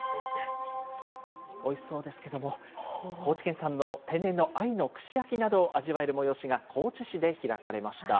おいしそうですけども、高知県産の天然のあゆの串焼きなどを味わえる催しが高知市で開かれました。